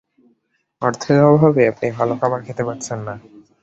অর্থের অভাবে আপনি ভালো খাবার খেতে পারছেন না।